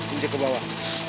injek ke bawah